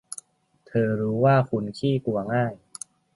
เธอรู้ว่าคุณขี้กลัวง่าย